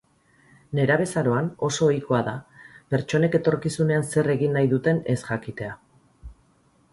Nerabezaroan oso ohikoa da pertsonek etorkizunean zer egin nahi duten ez jakitea.